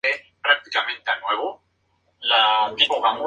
A pesar de esto su actitud fiera fue un activo valioso para el equipo.